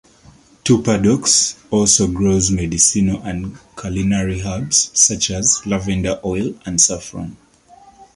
Two Paddocks also grows medicinal and culinary herbs, such as lavender oil and saffron.